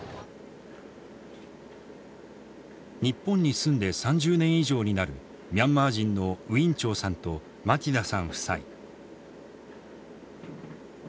日本に住んで３０年以上になるミャンマー人のウィン・チョウさんとマティダさん夫妻。